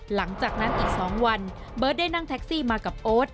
หลังจากนั้นอีก๒วันเบิร์ตได้นั่งแท็กซี่มากับโอ๊ต